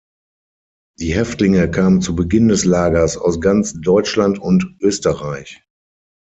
Die Häftlinge kamen zu Beginn des Lagers aus ganz Deutschland und Österreich.